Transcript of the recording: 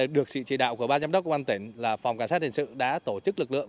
được sự chỉ đạo của ban giám đốc công an tỉnh phòng cảnh sát hình sự đã tổ chức lực lượng